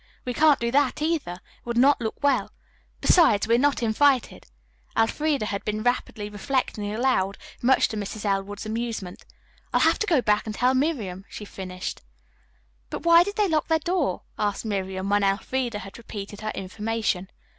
We can't do that, either. It would not look well. Besides, we are not invited." Elfreda had been rapidly reflecting aloud, much to Mrs. Elwood's amusement. "I'll have to go back and tell Miriam," she finished. "But why did they lock their door?" asked Miriam, when Elfreda had repeated her information.